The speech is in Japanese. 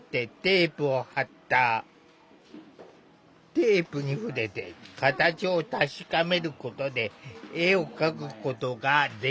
テープに触れて形を確かめることで絵を描くことができる。